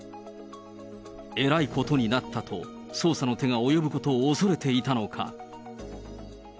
えらいことになったと、捜査の手が及ぶことを恐れていたのか。